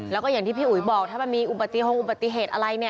แล้วก็อย่างที่พี่อุ๋ยบอกถ้ามันมีอุปติหงอุบัติเหตุอะไรเนี่ย